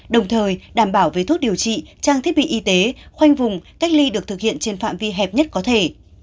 đồng thời đảm bảo về thuốc điều trị trang thiết bị y tế khoanh vùng cách ly được thực hiện trên phạm vi hẹp nhất có thể